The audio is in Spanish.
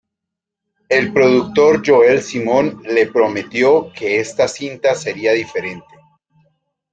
El productor Joel Simon le prometió que esta cinta sería diferente.